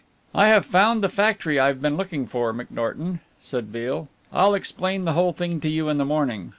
"I have found the factory I've been looking for, McNorton," said Beale. "I'll explain the whole thing to you in the morning.